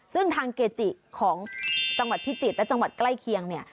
ซึ่งทางเกจิของจังหวัดพิจิตรและจังหวัดใกล้เคียงเนี่ย